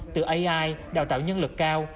từ ai đào tạo nhân lực cao